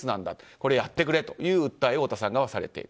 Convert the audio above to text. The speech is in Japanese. これをやってくれという訴えを太田さん側はされている。